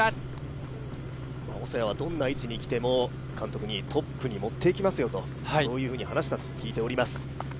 細谷はどんな位置に来ても、監督にトップに持っていきますよと話したと聞いています。